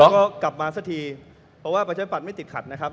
ก็กลับมาซะทีเพราะว่าประชาธิบหัดไม่ติดขัด